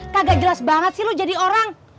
kagak jelas banget sih lo jadi orang